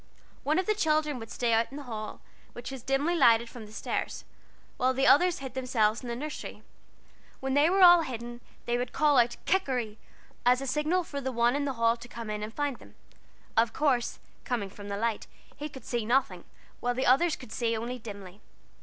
One of the children would stay out in the hall, which was dimly lighted from the stairs, while the others hid themselves in the nursery. When they were all hidden, they would call out "Kikeri," as a signal for the one in the hall to come in and find them. Of course, coming from the light he could see nothing, while the others could see only dimly.